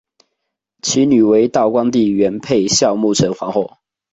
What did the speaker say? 其女为道光帝元配孝穆成皇后。